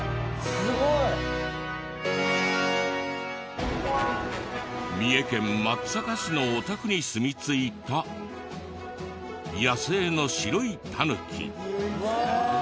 すごい！三重県松阪市のお宅にすみ着いた野生の白いタヌキ。